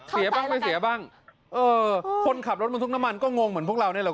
เสียบ้างไม่เสียบ้างเออคนขับรถบรรทุกน้ำมันก็งงเหมือนพวกเรานี่แหละ